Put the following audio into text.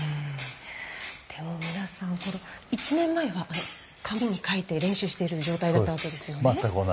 でも、皆さん１年前は紙に描いて練習している状態だったわけですよね。